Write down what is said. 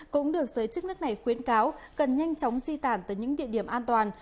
cũng được giới chức nước này khuyến cáo cần nhanh chóng di tản tới những địa điểm an toàn